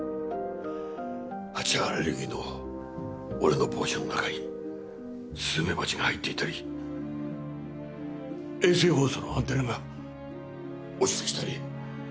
ハチアレルギーの俺の帽子の中にスズメバチが入っていたり衛星放送のアンテナが落ちてきたり。